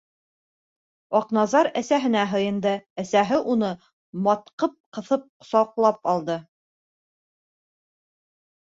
Аҡназар әсәһенә һыйынды, әсәһе уны матҡып ҡыҫып ҡосаҡлап алды.